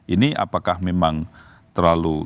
ini apakah memang terlalu